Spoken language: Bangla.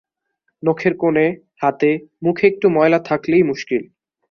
নখের কোণে, হাতে, মুখে একটু ময়লা থাকলেই মুশকিল।